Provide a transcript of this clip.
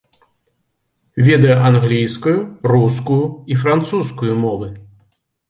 Ведае англійскую, рускую і французскую мовы.